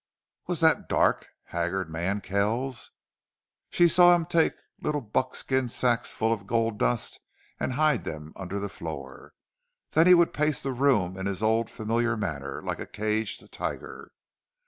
Was that dark, haggard man Kells? She saw him take little buckskin sacks full of gold dust and hide them under the floor. Then he would pace the room in his old familiar manner, like a caged tiger.